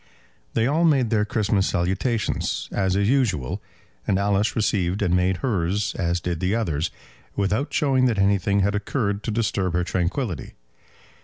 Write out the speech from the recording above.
They all made their Christmas salutations as is usual, and Alice received and made hers as did the others, without showing that anything had occurred to disturb her tranquillity.